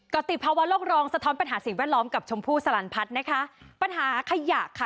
ก็ติดภาวะโลกรองสะท้อนปัญหาสิ่งแวดล้อมกับชมพู่สลันพัฒน์นะคะปัญหาขยะค่ะ